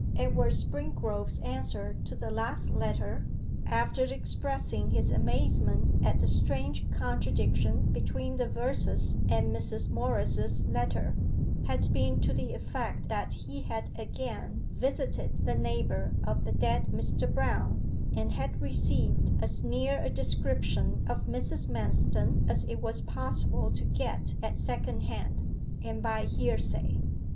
Edward Springrove's answer to the last letter, after expressing his amazement at the strange contradiction between the verses and Mrs. Morris's letter, had been to the effect that he had again visited the neighbour of the dead Mr. Brown, and had received as near a description of Mrs. Manston as it was possible to get at second hand, and by hearsay.